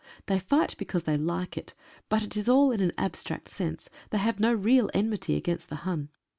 They fight because they like it, but it is all in an abstract sense. They have no real enmity against the Hun.